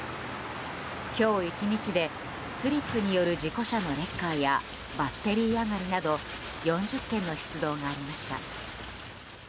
今日１日でスリップによる事故車のレッカーやバッテリー上がりなど４０件の出動がありました。